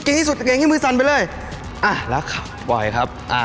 เกรงที่สุดเกรงให้มือสั่นไปเลยอ่ะแล้วค่ะปล่อยครับอ่า